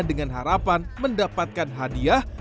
dengan harapan mendapatkan hadiah